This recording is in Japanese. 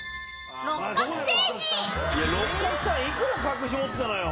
六角さん幾ら隠し持ってたのよ。